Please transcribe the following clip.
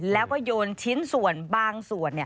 แล้วก็โยนชิ้นส่วนบางส่วน